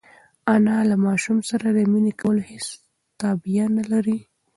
انا له ماشوم سره د مینې کولو هېڅ تابیا نهلري.